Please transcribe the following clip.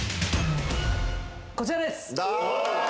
こちらです。